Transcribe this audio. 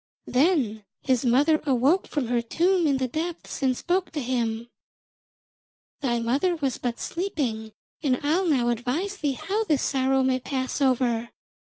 Then his mother awoke from her tomb in the depths and spoke to him: 'Thy mother was but sleeping, and I'll now advise thee how this sorrow may pass over.